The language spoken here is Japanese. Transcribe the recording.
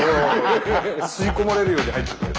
吸い込まれるように入ってってる。